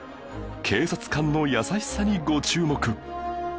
警察官の優しさにご注目